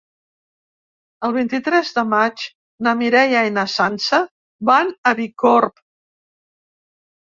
El vint-i-tres de maig na Mireia i na Sança van a Bicorb.